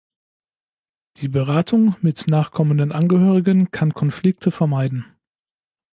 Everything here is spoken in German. Die Beratung mit nachkommenden Angehörigen kann Konflikte vermeiden.